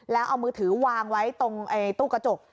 แล้วเอามือถือวางไว้ตรงตู้กระจก